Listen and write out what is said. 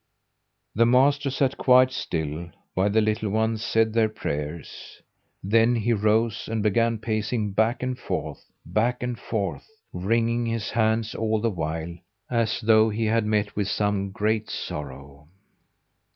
The master sat quite still while the little ones said their prayers, then he rose and began pacing back and forth, back and forth, wringing his hands all the while, as though he had met with some great sorrow.